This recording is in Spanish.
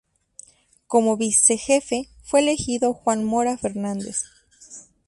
Como Vicejefe fue elegido Juan Mora Fernández.